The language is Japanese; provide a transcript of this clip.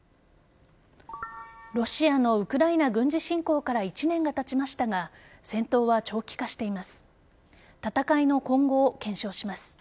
ロシアのウクライナ軍事侵攻から１年がたちましたが戦闘は長期化しています。